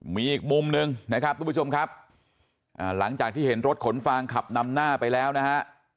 มีอีกมุมหนึ่งนะครับทุกผู้ชมครับหลังจากที่เห็นรถขนฟางขับนำหน้าไปแล้วนะฮะ